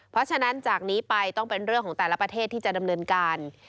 เพราะฉะนั้นจากนี้ไปต้องเป็นเรื่องของแต่ละประเทศที่จะดำเนินการ